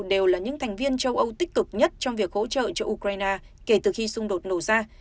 đều là những thành viên châu âu tích cực nhất trong việc hỗ trợ cho ukraine kể từ khi xung đột nổ ra